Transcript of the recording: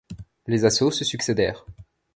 Les assauts se succédèrent.